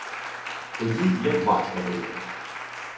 Тоді, як батька били.